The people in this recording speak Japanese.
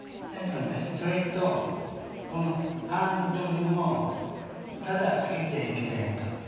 それとこのハンドルもただつけちゃいけないと。